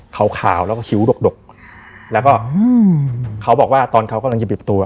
เขาขาวแล้วก็ชิวดกแล้วก็เขาบอกว่าตอนเขากำลังจะปิดประตู